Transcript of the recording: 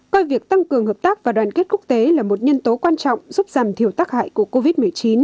coi việc tăng cường hợp tác và đoàn kết quốc tế là một nhân tố quan trọng giúp giảm thiểu tác hại của covid một mươi chín